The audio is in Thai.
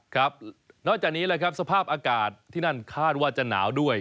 ครับนอกจากนี้แหละครับสภาพอากาศที่นั่นคาดว่าจะหนาวด้วย